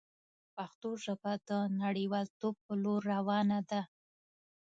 پښتو ژبه د نړیوالتوب په لور روانه ده.